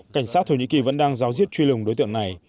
cảnh sát thổ nhĩ kỳ vẫn đang giáo diết truy lùng đối tượng này